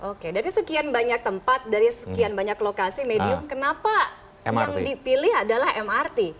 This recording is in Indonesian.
oke dari sekian banyak tempat dari sekian banyak lokasi medium kenapa yang dipilih adalah mrt